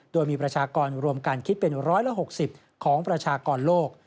โดยมีประชากรรวมการคิดเป็น๑๖๐ของประชากรโลก